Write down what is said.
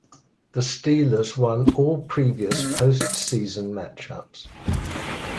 The Steelers won all previous postseason matchups.